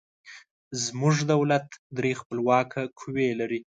زموږ دولت درې خپلواکه قوې لري.